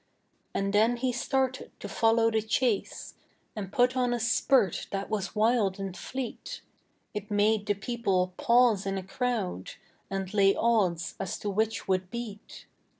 And then he started to follow the chase, And put on a spurt that was wild and fleet, It made the people pause in a crowd, And lay odds as to which would beat.